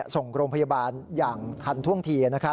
ส่งโรงพยาบาลอย่างทันท่วงที